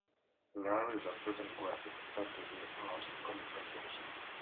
Larry is a frequent guest at fantasy, art, and comic conventions.